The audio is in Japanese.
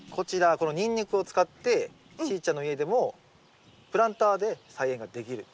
このニンニクを使ってしーちゃんの家でもプランターで菜園ができると。